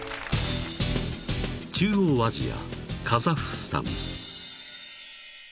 ［中央アジアカザフスタン］